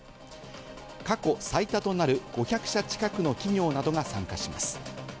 過去最多となる５００社近くの企業などが参加します。